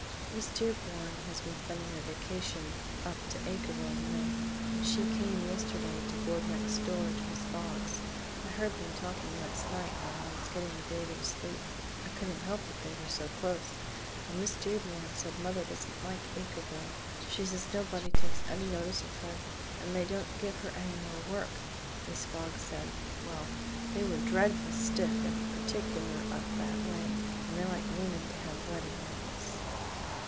Miss Dearborn has been spending her vacation up to Acreville, you know, and she came yesterday to board next door to Mrs. Fogg's. I heard them talking last night when I was getting the baby to sleep I couldn't help it, they were so close and Miss Dearborn said mother doesn't like Acreville; she says nobody takes any notice of her, and they don't give her any more work. Mrs. Fogg said, well, they were dreadful stiff and particular up that way and they liked women to have wedding rings."